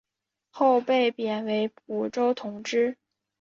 后被贬为蒲州同知。